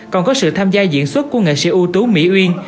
còn có sự tham gia diễn xuất của nghệ sĩ ưu tú mỹ uyên